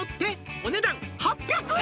「お値段８００円」